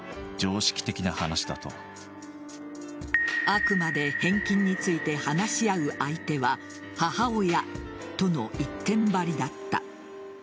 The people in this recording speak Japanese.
あくまで返金について話し合う相手は母親との一点張りだった。